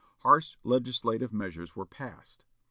Harsh legislative measures were passed.